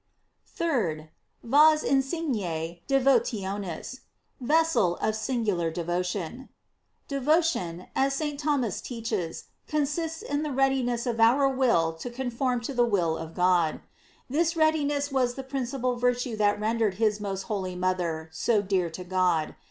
3d. "Vas insigne devotionis: '' Vessel of sin gular devotion. Devotion, as St. Thomas teaches, consists in the readiness of our will to conform to the will of God. This readiness was the principal virtue that rendered his most holy mother so dear to God.